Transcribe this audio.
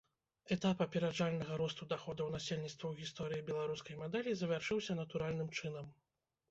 Этап апераджальнага росту даходаў насельніцтва ў гісторыі беларускай мадэлі завяршыўся натуральным чынам.